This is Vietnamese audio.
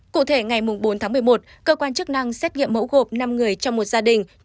cụ thể ngày bốn tháng một mươi một cơ quan chức năng xét nghiệm mẫu gộp năm người trong một gia đình